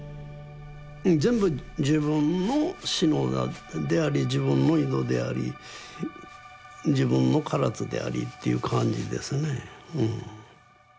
全部自分の志野であり自分の井戸であり自分の唐津でありっていう感じですね。